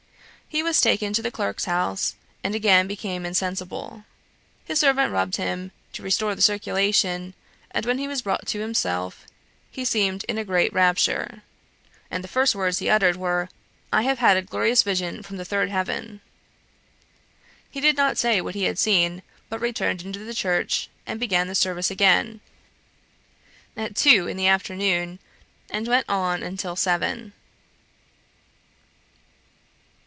He was taken to the clerk's house, and again became insensible. His servant rubbed him, to restore the circulation; and when he was brought to himself "he seemed in a great rapture," and the first words he uttered were, "I have had a glorious vision from the third heaven." He did not say what he had seen, but returned into the church, and began the service again, at two in the afternoon, and went on until seven.